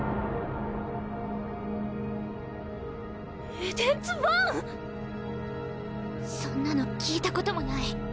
エデンズワン⁉そんなの聞いたこともない。